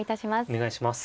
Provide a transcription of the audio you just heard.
お願いします。